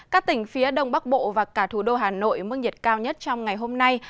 các tỉnh phía đông bắc bộ và cả thủ đô hà nội mức nhiệt cao nhất trong ngày hôm nay